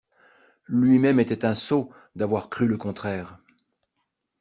Lui-même était un sot d'avoir cru le contraire.